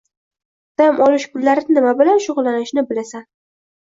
Dam olish kunlari nima bilan shugʻullanishni bilasan.